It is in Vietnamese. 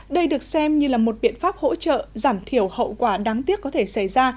đây được xem như là một biện pháp hỗ trợ giảm thiểu hậu quả đáng tiếc có thể xảy ra